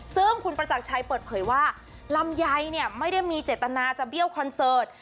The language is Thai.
ซึ่งคุณประจักรชัยเปิดเผยว่าลำไยเนี่ยไม่ได้มีเจตนาจะเบี้ยวคอนเสิร์ต